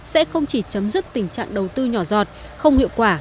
sẽ không chỉ chấm dứt tình trạng đầu tư nhỏ giọt không hiệu quả